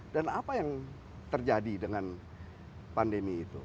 dan apa yang terjadi dengan pandemi itu